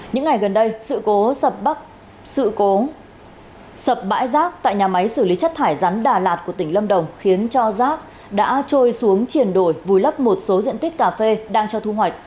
những ngày gần đây sự cố sập sự cố sập bãi rác tại nhà máy xử lý chất thải rắn đà lạt của tỉnh lâm đồng khiến cho rác đã trôi xuống triển đồ vùi lấp một số diện tích cà phê đang cho thu hoạch